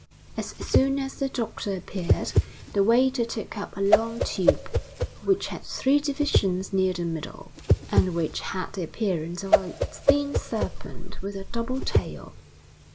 As soon as the doctor appeared, the waiter took up a long tube, which had three divisions near the middle, and which had the appearance of a thin serpent with a double tail.